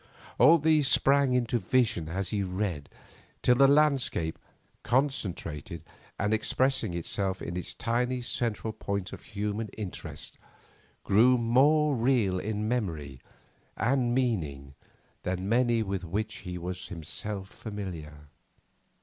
All these sprang into vision as he read, till the landscape, concentrated, and expressing itself in its tiny central point of human interest, grew more real in memory and meaning than many with which he was himself familiar.